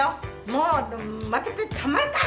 もう負けてたまるか。